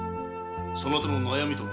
そなたの悩みと望み